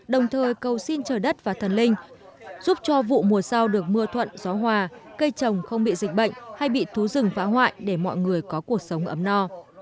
đồng thời cầu xin trời đất và thần linh giúp cho vụ mùa sau được mưa thuận gió hòa cây trồng không bị dịch bệnh hay bị thú rừng phá hoại để mọi người có cuộc sống ấm no